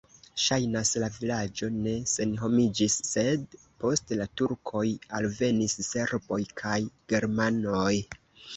Ŝajnas, la vilaĝo ne senhomiĝis, sed post la turkoj alvenis serboj kaj germanoj.